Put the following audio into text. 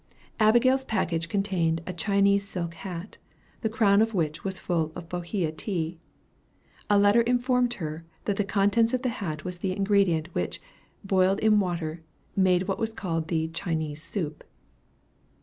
Abigail's package contained a Chinese silk hat, the crown of which was full of Bohea tea. A letter informed her that the contents of the hat was the ingredient, which, boiled in water, made what was called the "Chinese soup."